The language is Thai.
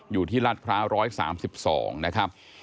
อยู่ที่รัฐพระ๑๓๒นะครับ